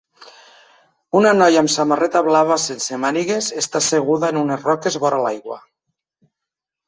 Una noia amb una samarreta blava sense mànigues està asseguda en unes roques vora l'aigua